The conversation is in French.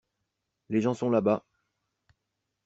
Les gens sont là-bas.